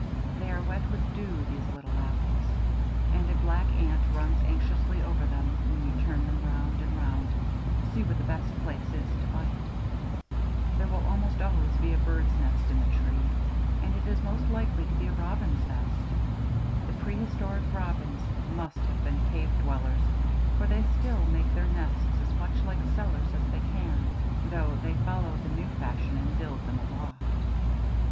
They are wet with dew, these little apples, and a black ant runs anxiously over them when you turn them round and round to see where the best place is to bite. There will almost always be a bird's nest in the tree, and it is most likely to be a robin's nest. The prehistoric robins must have been cave dwellers, for they still make their nests as much like cellars as they can, though they follow the new fashion and build them aloft.